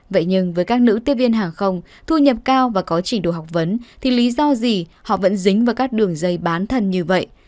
vậy nhưng với các nữ tiếp viên hàng không thu nhập cao và có trình độ học vấn thì lý do gì họ vẫn dính vào các đường dây bán thân như vậy